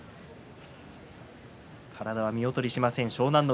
体は見劣りしません湘南乃